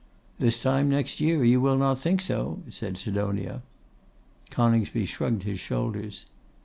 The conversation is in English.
'This time next year you will not think so,' said Sidonia. Coningsby shrugged his shoulders.